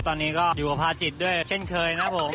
ตอนนี้ก็อยู่กับภาจิตด้วยเช่นเคยนะครับผม